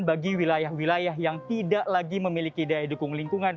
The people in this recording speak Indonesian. bagi wilayah wilayah yang tidak lagi memiliki daya dukung lingkungan